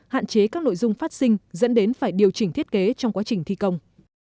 hạn chế các nội dung phát sinh dẫn đến phải điều chỉnh thiết kế trong quá trình thi công